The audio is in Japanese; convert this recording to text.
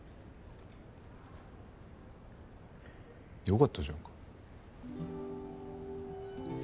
よかったじゃんか。